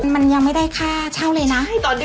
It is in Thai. มันยังไม่ได้ค่าเช่าเลยนะ